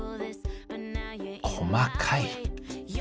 細かい。